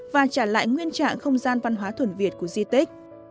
và trả lại nguyên trạng không gian văn hóa thuần việt của di tích